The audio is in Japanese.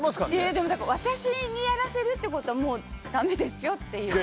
でも、私にやらせるってことはだめですよっていう。